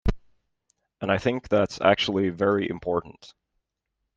And I think that's actually very important.